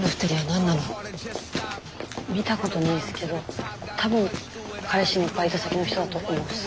見たことないっすけど多分彼氏のバイト先の人だと思うっす。